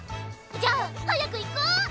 じゃ早く行こう！